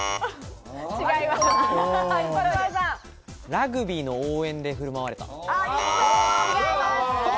ラグビーの応援で振る舞われた。